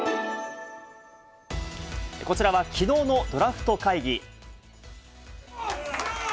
こちらはきのうのドラフト会議。